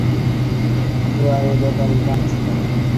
জোয়ের ব্যাপারে ভাবছিলাম!